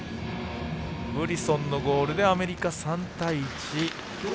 ブリソンのゴールでアメリカ、３対１。